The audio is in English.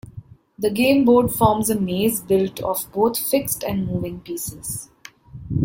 The game board forms a maze built of both fixed and moving pieces.